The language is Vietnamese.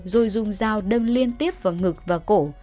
rồi dùng dao đâm liên tiếp vào ngực và cổ